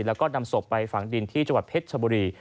แล้วก็นำศพไปฝังดินที่จังหวัดเพชรชบุรี